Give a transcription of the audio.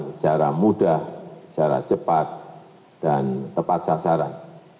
secara mudah secara cepat dan tepat sasaran